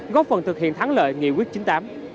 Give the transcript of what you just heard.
góp phần thực hiện thắng lợi nghị quyết chín mươi tám